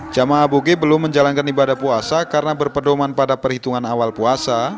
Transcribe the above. jamaah aboge belum menjalankan ibadah puasa karena berpedoman pada perhitungan awal puasa